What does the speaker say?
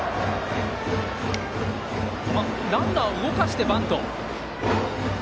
ランナー、動かしてバント。